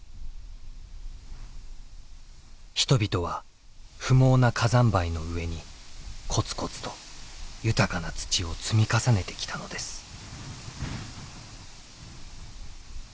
人々は不毛な火山灰の上にこつこつと豊かな土を積み重ねてきたのです。